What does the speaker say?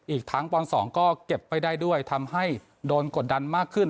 อีกทั้งปอนด์๒ก็เก็บไปได้ด้วยทำให้โดนกดดันมากขึ้น